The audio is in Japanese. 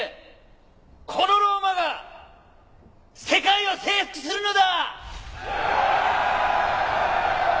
このローマが世界を征服するのだ！